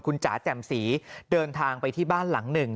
คุณจ๋าแจ่มสีเดินทางไปที่บ้านหลังหนึ่ง